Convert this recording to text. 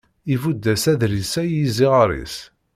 ibudd-as adlis-a i yiziɣer-is.